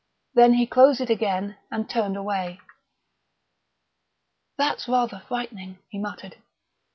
Then he closed it again and turned away. "That's rather frightening," he muttered.